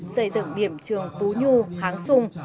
xây dựng điểm trường pú nhu háng sung